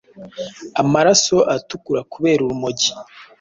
Amaraso atukura kubera urumogi